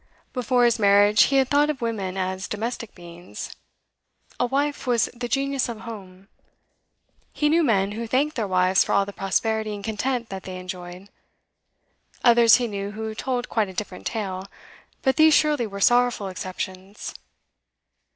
Before his marriage he had thought of women as domestic beings. A wife was the genius of home. He knew men who thanked their wives for all the prosperity and content that they enjoyed. Others he knew who told quite a different tale, but these surely were sorrowful exceptions.